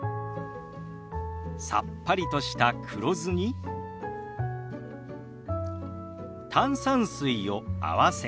さっぱりとした黒酢に炭酸水を合わせ